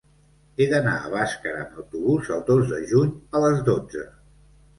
He d'anar a Bàscara amb autobús el dos de juny a les dotze.